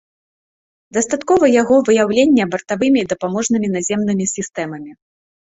Дастаткова яго выяўлення бартавымі і дапаможнымі наземнымі сістэмамі.